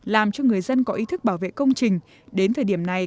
làm cho người dân có ý thức bảo vệ công trình đến thời điểm này